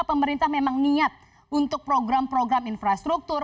pemerintah memang niat untuk program program infrastruktur